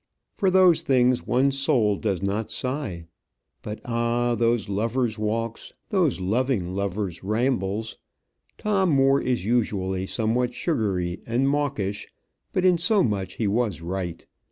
For those things one's soul does not sigh. But, ah! those lovers' walks, those loving lovers' rambles. Tom Moore is usually somewhat sugary and mawkish; but in so much he was right.